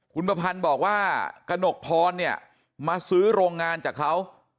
คุณประพันธ์บอกว่ากระหนกพรเนี่ยมาซื้อโรงงานจากเขา